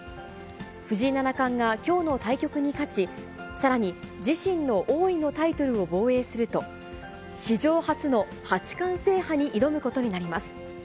藤井七冠がきょうの対局に勝ち、さらに自身の王位のタイトルを防衛すると、史上初の八冠制覇に挑むことになります。